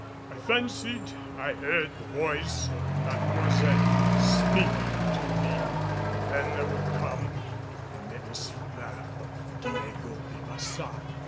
I fancied I heard the voice of Mademoiselle speaking to me and then there would come the menacing laugh of Diego de Baçan.